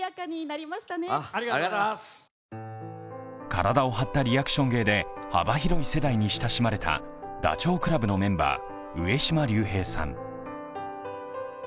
体を張ったリアクション芸で幅広い世代に親しまれたダチョウ倶楽部のメンバー、上島竜兵さん。